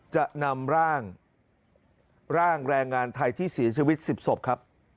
จะนำร่างร่างแรงงานไทยที่สีชีวิตสิบศพครับ